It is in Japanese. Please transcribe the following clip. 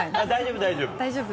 大丈夫大丈夫。